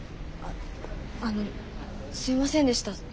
あっあのすいませんでした。